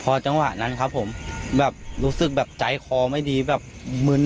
พอจังหวะนั้นครับผมแบบรู้สึกแบบใจคอไม่ดีแบบมึน